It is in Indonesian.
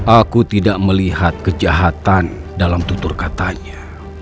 aku tidak melihat kejahatan dalam tutur katanya